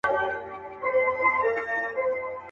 نوم به دي نه وو په غزل کي مي راتللې اشنا.